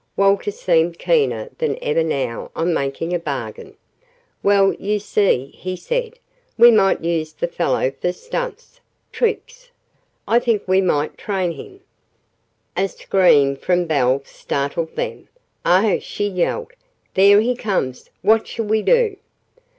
Walter seemed keener than ever now on making a bargain. "Well, you see," he said, "we might use the fellow for stunts tricks. I think we might train him " A scream from Belle startled them. "Oh!" she yelled. "There he comes! What shall we do?"